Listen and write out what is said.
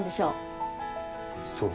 そう。